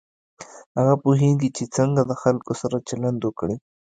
هغه پوهېږي چې څنګه د خلکو سره چلند وکړي.